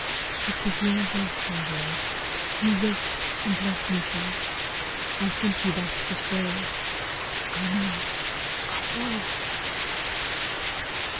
It was your voice I heard, You waked and loved me so I send you back this word, I know, I know!